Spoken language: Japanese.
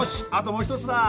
もう１つだ。